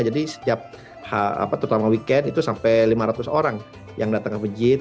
jadi setiap terutama weekend itu sampai lima ratus orang yang datang ke masjid